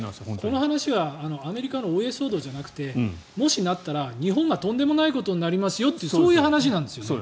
この話はアメリカのお家騒動じゃなくてもしなったら日本がとんでもないことになりますよという話なんですよね。